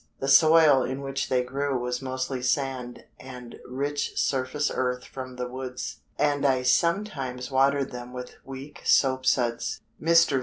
The soil in which they grew was mostly sand and rich surface earth from the woods, and I sometimes watered them with weak soap suds." Mr.